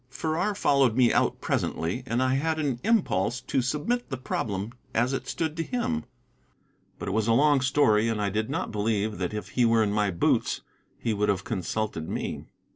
Farrar followed me out presently, and I had an impulse to submit the problem as it stood to him. But it was a long story, and I did not believe that if he were in my boots he would have consulted me.